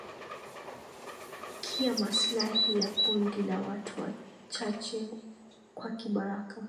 kia maslahi ya kundi la watu wachache kwa kibaraka